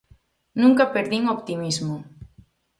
Nunca perdín o optimismo.